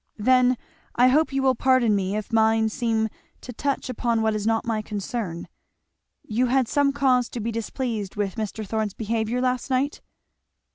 "Then I hope you will pardon me if mine seem to touch upon what is not my concern. You had some cause to be displeased with Mr. Thorn's behaviour last night?"